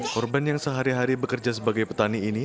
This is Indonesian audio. korban yang sehari hari bekerja sebagai petani ini